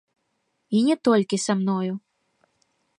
І не толькі са мною.